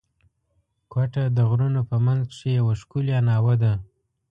کوټه د غرونو په منځ کښي یوه ښکلې ناوه ده.